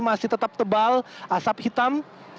asap tebal asap hitam